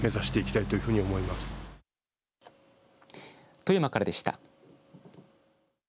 富山からでした。